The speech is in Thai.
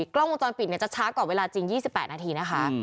กล้องวงจรปิดจะช้ากว่าเวลาจริง๒๘นาทีนะคะ